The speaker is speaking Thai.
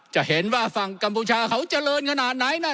จะเห็นว่าฝั่งกัมพูชาเขาเจริญขนาดไหนนะ